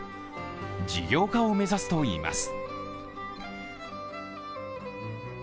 事業化を目指すといいます。